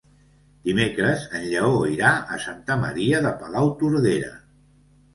Dimecres en Lleó irà a Santa Maria de Palautordera.